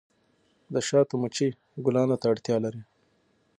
د شاتو مچۍ ګلانو ته اړتیا لري